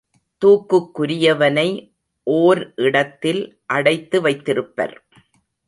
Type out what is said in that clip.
தூக்குக்குரியவனை ஓர் இடத்தில் அடைத்து வைத்திருப்பர்.